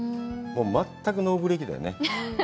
全くノーブレーキだよね。